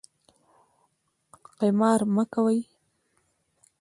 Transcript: قمار مه کوئ